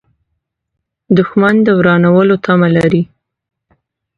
دښمن د ورانولو تمه لري